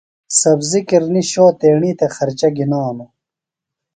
سبزیۡ کِرنیۡ سوۡ تیݨی تھےۡ خرچہ گِھنانوۡ۔